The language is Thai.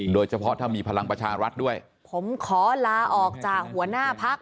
โดยเฉพาะถ้ามีพลังประชารัฐด้วยผมขอลาออกจากหัวหน้าพัก